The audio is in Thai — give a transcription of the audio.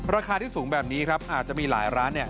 ราคาที่สูงแบบนี้อาจจะมีหลายร้าน